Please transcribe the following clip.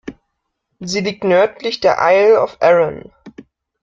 Sie liegt nördlich der Isle of Arran.